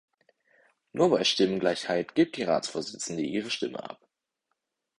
Nur bei Stimmengleichheit gibt die Ratsvorsitzende ihre Stimme ab.